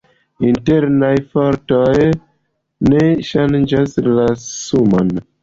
Internaj fortoj ne ŝanĝas la sumon.